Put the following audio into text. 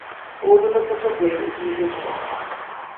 Oğlunu kasabaya götüreceksin…